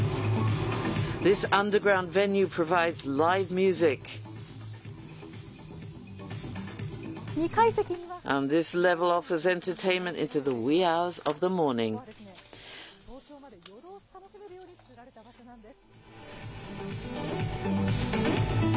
ここは早朝まで夜通し楽しめるように作られた場所なんです。